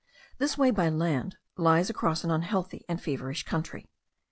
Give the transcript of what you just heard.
This way by land lies across an unhealthy and feverish country.